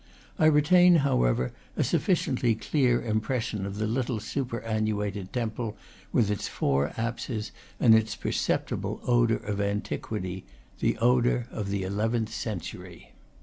I retain, however, a suf ficiently clear impression of the little superannuated temple, with its four apses and its perceptible odor of antiquity, the odor of the eleventh century.